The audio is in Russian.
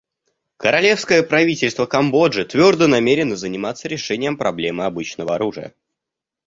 Королевское правительство Камбоджи твердо намерено заниматься решением проблемы обычного оружия.